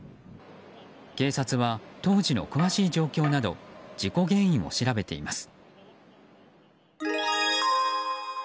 警察は当時の詳しい状況など事故原因を調べています。